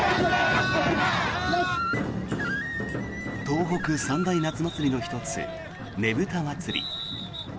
東北三大夏祭りの１つねぶた祭。